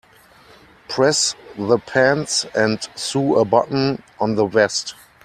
Press the pants and sew a button on the vest.